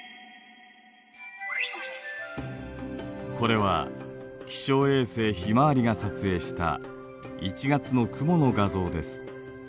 これは気象衛星「ひまわり」が撮影した１月の雲の画像です。